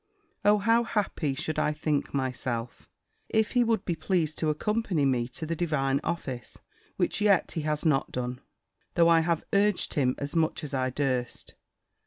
O how happy should I think myself, if he would be pleased to accompany me to the divine office, which yet he has not done, though I have urged him as much as I durst.